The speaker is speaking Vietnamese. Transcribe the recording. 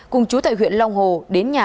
cùng chú tại huyện long hồ đến nhà anh